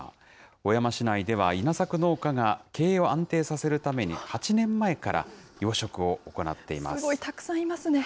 小山市内では稲作農家が経営を安定させるために、すごい、たくさんいますね。